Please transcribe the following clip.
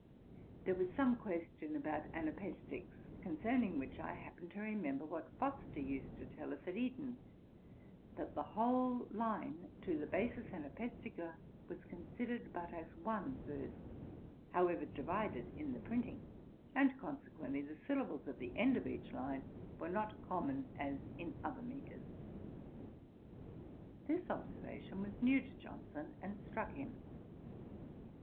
There was some question about anapaestics, concerning which I happened to remember what Foster used to tell us at Eton, that the whole line to the Basis Anapaestica was considered but as one verse, however divided in the printing, and consequently the syllables at the end of each line were not common, as in other metres. This observation was new to Johnson, and struck him.